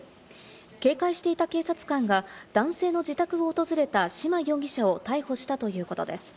警戒していた警察官が男性の自宅を訪れた島容疑者を逮捕したということです。